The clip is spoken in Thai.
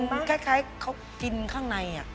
มันคล้ายเขากินข้างใน